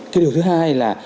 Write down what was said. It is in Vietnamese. cái điều thứ hai là